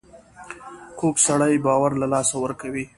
کوږ سړی باور له لاسه ورکوي